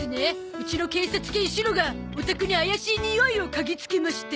うちの警察犬シロがお宅にあやしいにおいを嗅ぎつけまして。